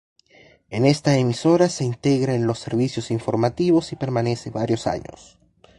En esa emisora se integra en los servicios informativos y permanece varios años.